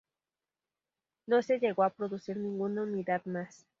No se llegó a producir ninguna unidad más.